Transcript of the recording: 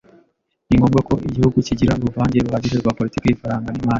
Ni ngombwa ko igihugu kigira uruvange ruhagije rwa politiki y’ifaranga n’imari